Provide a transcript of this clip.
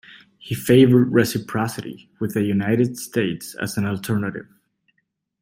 He favoured reciprocity with the United States as an alternative.